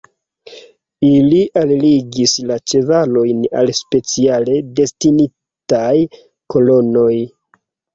Ili alligis la ĉevalojn al speciale destinitaj kolonoj.